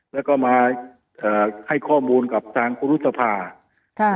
แล้วก็มาเอ่อให้ข้อมูลกับทางครูรุษภาค่ะ